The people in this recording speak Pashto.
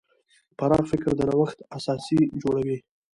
پراخ فکر د نوښت اساس جوړوي.